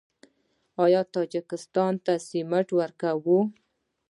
آیا تاجکستان ته سمنټ ورکوو؟